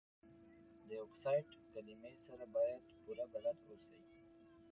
د اکسایډ کلمې سره باید پوره بلد اوسئ.